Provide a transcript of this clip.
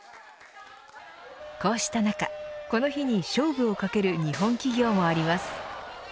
こうした中この日に勝負をかける日本企業もあります。